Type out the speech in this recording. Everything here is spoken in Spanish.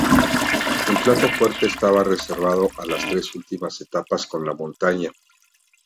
El plato fuerte estaba reservado a las tres últimas etapas, con la montaña.